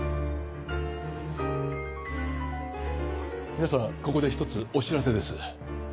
皆さんここで一つお知らせです。